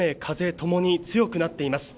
ともに強くなっています。